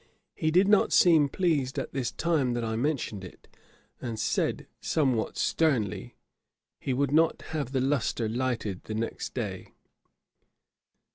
He did not seem pleased at this time that I mentioned it, and said (somewhat sternly) 'he would not have the lustre lighted the next day.'